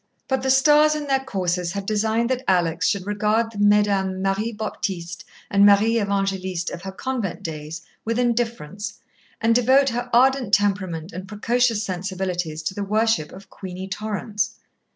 But the stars in their courses had designed that Alex should regard the Mesdames Marie Baptiste and Marie Evangeliste of her convent days with indifference, and devote her ardent temperament and precocious sensibilities to the worship of Queenie Torrance.